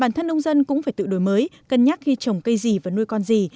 bản thân nông dân cũng phải tự đổi mới cân nhắc khi trồng cây gì và nuôi con gì